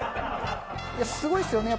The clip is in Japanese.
すごいっすよね。